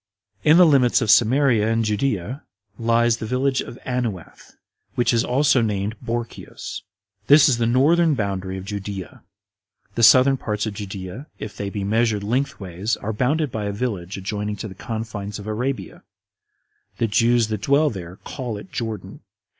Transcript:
5. In the limits of Samaria and Judea lies the village Anuath, which is also named Borceos. This is the northern boundary of Judea. The southern parts of Judea, if they be measured lengthways, are bounded by a Village adjoining to the confines of Arabia; the Jews that dwell there call it Jordan.